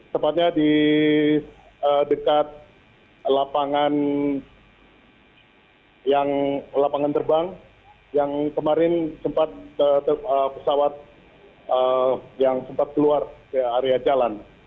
tepatnya di dekat lapangan yang lapangan terbang yang kemarin sempat pesawat yang sempat keluar ke area jalan